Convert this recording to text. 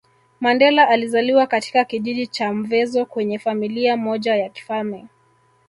Mandela alizaliwa katika kijiji cha Mvezo kwenye Familia moja ya kifalme